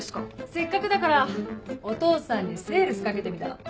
せっかくだからお父さんにセールスかけてみたの。